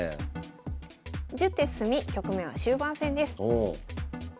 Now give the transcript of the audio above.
１０手進み局面は終盤戦です。